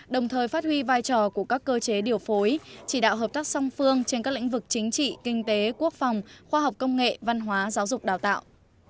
đồng thời phát huy vai trò của các cơ chế điều phối chỉ đạo hợp tác song phương trên các lĩnh vực chính trị kinh tế quốc phòng khoa học công nghệ văn hóa giáo dục đào tạo